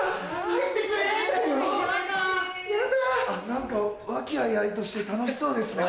何か和気あいあいとして楽しそうですね。